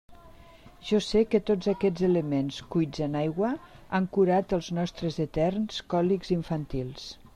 Jo sé que tots aquests elements cuits en aigua han curat els nostres eterns còlics infantils.